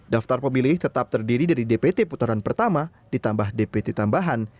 daftar pemilih tetap terdiri dari dpt putaran pertama ditambah dpt tambahan